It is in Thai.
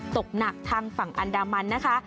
ตกหนักทางฝั่งอันดามันนะคะ